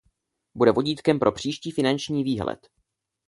Bude vodítkem pro příští finanční výhled.